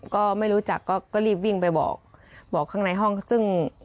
ก็ไม่รู้จักก็รีบวิ่งไปบอกบอกข้างในห้องซึ่ง